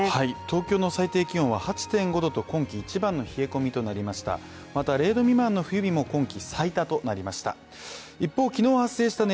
東京の最低気温は８．５度と今季一番の冷え込みとなりました。